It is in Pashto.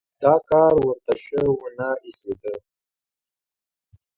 دا کار ورته شه ونه ایسېده.